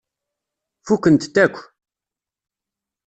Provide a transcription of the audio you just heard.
Fukkent-t akk.